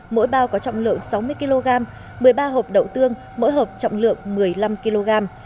mỗi bao có trọng lượng sáu mươi kg một mươi ba hộp đậu tương mỗi hộp trọng lượng một mươi năm kg